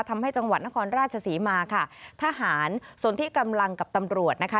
จังหวัดนครราชศรีมาค่ะทหารส่วนที่กำลังกับตำรวจนะคะ